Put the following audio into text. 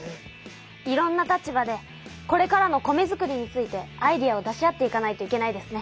いろんな立場でこれからの米づくりについてアイデアを出し合っていかないといけないですね。